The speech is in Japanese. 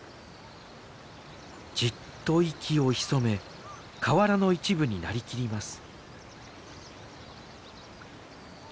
じっと息を潜め河原の一部になりきります。